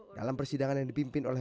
dalam persidangan yang dipimpin oleh